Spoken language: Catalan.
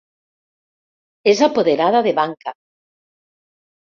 És apoderada de banca.